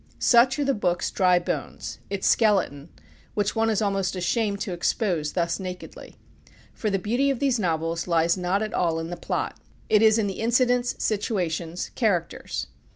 Such are the book's dry bones, its skeleton, which one is almost ashamed to expose thus nakedly. For the beauty of these novels lies not at all in the plot; it is in the incidents, situations, characters.